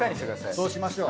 そうしましょう。